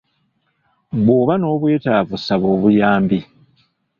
Bw'oba n'obwetaavu saba obuyambi.